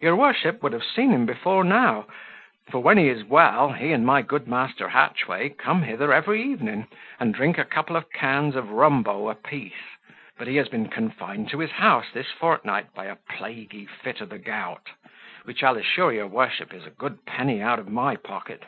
Your worship would have seen him before now; for, when he is well, he and my good master Hatchway come hither every evening, and drink a couple of cans of rumbo a piece; but he has been confined to his house this fortnight by a plaguy fit of the gout, which, I'll assure your worship, is a good penny out of my pocket."